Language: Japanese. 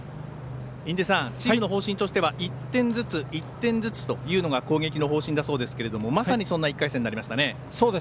印出さん、チームの方針としては１点ずつ１点ずつというのが攻撃の方針だそうですけれどもまさにそんな１回戦になりましたね。